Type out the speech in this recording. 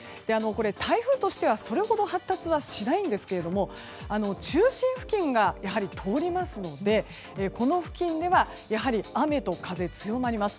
台風としてはそれほど発達はしないんですが中心付近が通りますのでこの付近ではやはり雨と風が強まります。